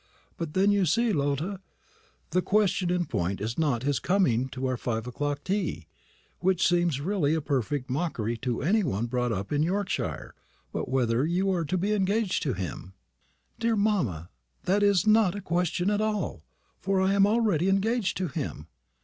But then, you see, Lotta, the question in point is not his coming to our five o'clock tea which seems really a perfect mockery to any one brought up in Yorkshire but whether you are to be engaged to him." "Dear mamma, that is not a question at all, for I am already engaged to him."